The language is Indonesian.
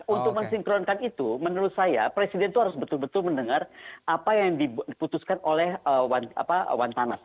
untuk mensinkronkan itu menurut saya presiden itu harus betul betul mendengar apa yang diputuskan oleh wantanas